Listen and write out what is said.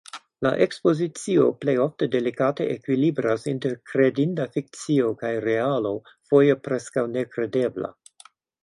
La ekspozicio plej ofte delikate ekvilibras inter kredinda fikcio kaj realo foje preskaŭ nekredebla.